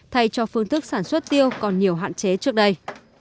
thay cho phương thức sản xuất tiêu còn nhiều hạn chế trước đây